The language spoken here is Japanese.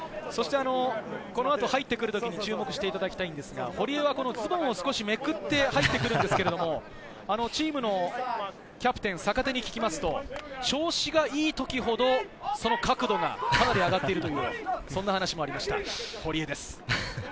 このあと入ってくる時に注目してもらいたいんですが、堀江はズボンをめくって履いているんですけど、チームのキャプテン・坂手に聞くと、調子がいい時ほど角度がかなり上がっているという、そんな話もありました、堀江です。